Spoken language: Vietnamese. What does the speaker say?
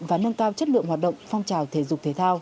và nâng cao chất lượng hoạt động phong trào thể dục thể thao